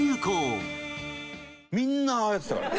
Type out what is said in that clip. みんなあれやってたから。